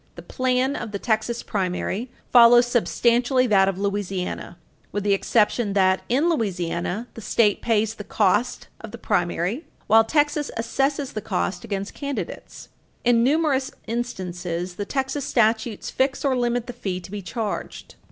The plan of the Texas primary follows substantially that of Louisiana, with the exception that, in Page 321 U. S. 664 Louisiana, the state pays the cost of the primary, while Texas assesses the cost against candidates. In numerous instances, the Texas statutes fix or limit the fees to be charged.